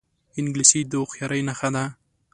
انګلیسي د هوښیارۍ نښه ده